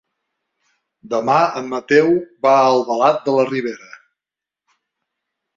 Demà en Mateu va a Albalat de la Ribera.